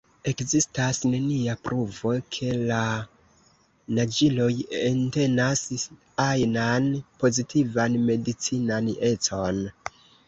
Ekzistas nenia pruvo, ke la naĝiloj entenas ajnan pozitivan medicinan econ.